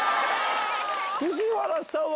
藤原さんは。